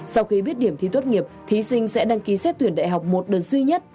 sau khi biết điểm thi tốt nghiệp thí sinh sẽ đăng ký xét tuyển đại học một đợt duy nhất